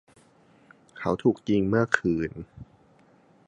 เขาถูกยิงเมื่อคืน